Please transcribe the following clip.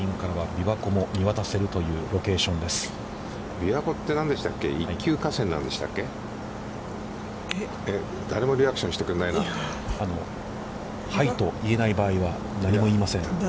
はいと言えない場合は何も言いません。